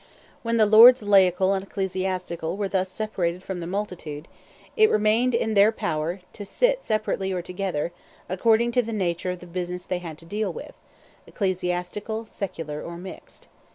When the lords laical and ecclesiastical were thus separated from the multitude, it remained in their power to sit separately or together, according to the nature of the business they had to deal with, ecclesiastical, secular, or mixed.